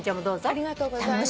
ありがとうございます。